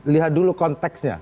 lihat dulu konteksnya